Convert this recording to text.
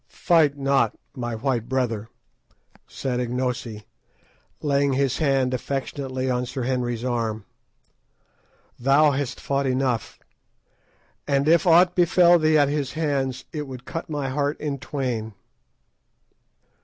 "Fight not, my white brother," said Ignosi, laying his hand affectionately on Sir Henry's arm; "thou hast fought enough, and if aught befell thee at his hands it would cut my heart in twain."